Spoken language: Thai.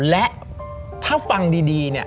และถ้าฟังดีเนี่ย